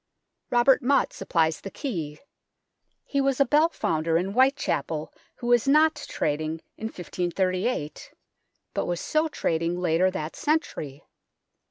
Robert Mot supplies the key. He was a bell founder in Whitechapel who was not trading in 1538, but was so trading later that century.